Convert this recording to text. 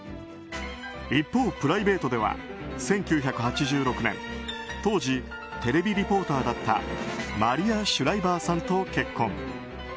一方、プライベートでは１９８６年当時、テレビリポーターだったマリア・シュライバーさんと結婚。